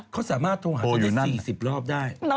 เขาสามารถโทรหาเธอได้๔๐รอบได้โตอยู่นั่น